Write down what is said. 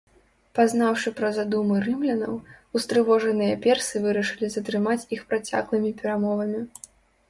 Пазнаўшы пра задумы рымлянаў, устрывожаныя персы вырашылі затрымаць іх працяглымі перамовамі.